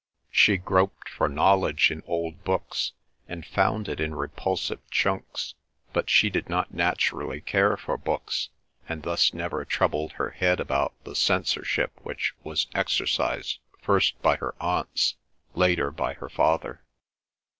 She groped for knowledge in old books, and found it in repulsive chunks, but she did not naturally care for books and thus never troubled her head about the censorship which was exercised first by her aunts, later by her father.